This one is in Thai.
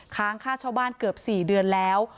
ค้างค่าเช่าบ้านเกือบ๔เดือนแล้ว